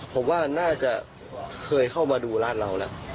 ผมว่าน่าจะเคยเข้ามาดูร้านเราแล้ว